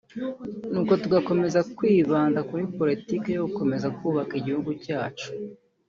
ni uko tugakomeza kwibanda kuri politiki yo gukomeza kubaka igihugu cyacu